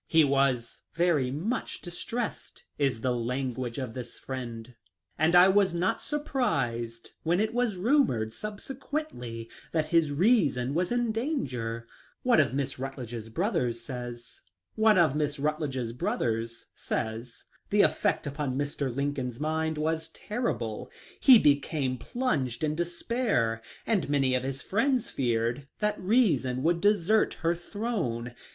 " He was very much distressed," is the language of this friend, " and I was not surprised when it was rumored subsequently that his rea son was in danger." One of Miss Rutledge's brothers * says :" The effect upon Mr. Lincoln's mind was terrible. He became plunged in despair, and many of his friends feared that reason would desert her throne.